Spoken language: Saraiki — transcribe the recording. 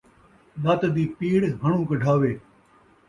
لت دی پیڑ ، ہݨوں کڈھاوے